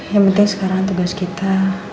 yang penting sekarang tugas kita